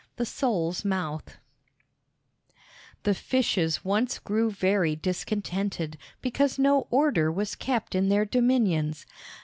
The Sole's Mouth The Fishes once grew very discontented because no order was kept in their dominions.